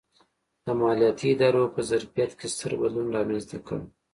د مالیاتي ادارو په ظرفیت کې ستر بدلون رامنځته کړ.